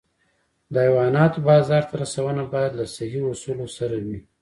د حیواناتو بازار ته رسونه باید له صحي اصولو سره وي.